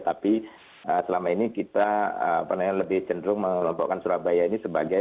tapi selama ini kita lebih cenderung mengelompokkan surabaya ini sebagai